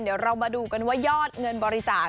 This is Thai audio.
เดี๋ยวเรามาดูกันว่ายอดเงินบริจาค